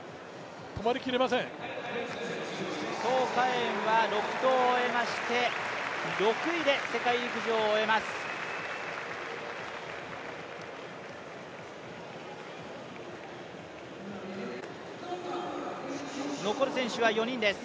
媛は６投を終えまして６位で世界陸上を終えます。